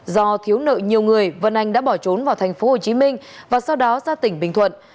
do thiếu nợ nhiều người văn anh đã bỏ trốn vào thành phố hồ chí minh và sau đó ra tỉnh bình thuận